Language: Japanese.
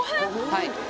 はい。